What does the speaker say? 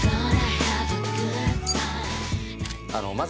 あのまず。